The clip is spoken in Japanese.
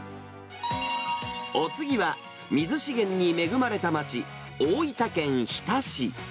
お次は、水資源に恵まれた街、大分県日田市。